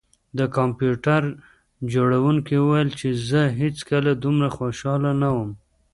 د کمپیوټر جوړونکي وویل چې زه هیڅکله دومره خوشحاله نه وم